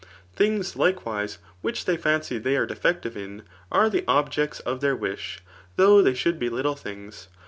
Things, likeMdse, which they fiamcy they are defective in, are the objects of their wish, though diey should be little things.